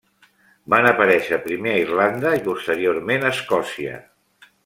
Van aparèixer primer a Irlanda, i posteriorment a Escòcia.